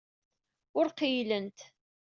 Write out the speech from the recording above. Ur qeyylent.